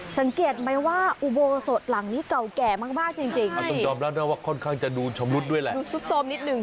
สังเกตไหมว่าอุโบสดหลังนี้เก่าแก่มากมากจริงจริงค่อนข้างจะดูชมรุดด้วยแหละดูซุดโซมนิดหนึ่ง